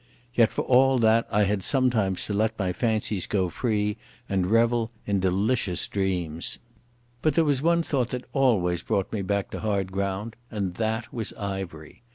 Yet for all that I had sometimes to let my fancies go free, and revel in delicious dreams. But there was one thought that always brought me back to hard ground, and that was Ivery.